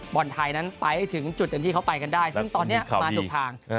บอลไทยนั้นไปให้ถึงจุดเต็มที่เขาไปกันได้ซึ่งตอนนี้มาถูกทาง